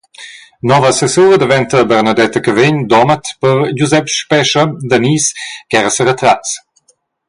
Nova assessura daventa Bernadetta Cavegn, Domat, per Giusep Spescha, Danis, ch’era seretratgs.